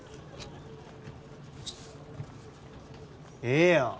ええやん！